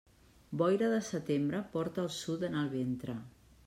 Boira de setembre porta el sud en el ventre.